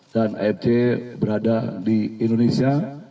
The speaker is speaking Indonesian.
dan afj berada di indonesia